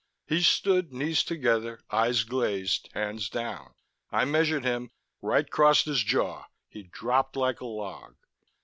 He stood, knees together, eyes glazed, hands down. I measured him, right crossed his jaw; he dropped like a log.